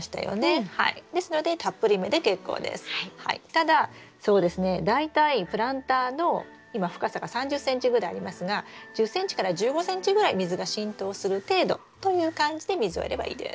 ただそうですね大体プランターの今深さが３０ｃｍぐらいありますが１０ｃｍから１５ｃｍぐらい水が浸透する程度という感じで水をやればいいです。